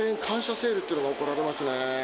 セールというのが行われますね。